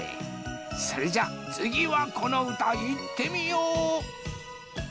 それじゃあつぎはこのうたいってみよう！